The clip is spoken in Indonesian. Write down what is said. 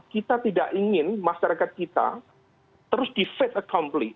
kita tidak ingin masyarakat kita terus di faith accomplish